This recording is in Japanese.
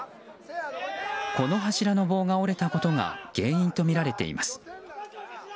この柱の棒が折れたことが原因とみられています。